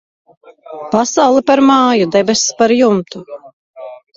Pasaule par māju, debess par jumtu.